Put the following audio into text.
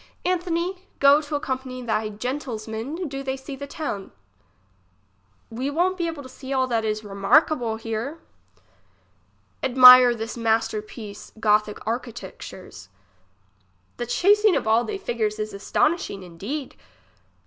Anthony, go to accompany they gentilsmen, do they see the town. We won't to see all that is it remarquable here. Admire this master piece gothic architecture's. The chasing of all they figures is astonishing indeed.